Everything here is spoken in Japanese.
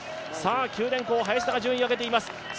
九電工、林田が順位を上げています。